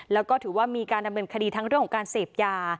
แล้วก็ถือว่ามีการดำเนินคดีทั้งเรื่องของการเสพยา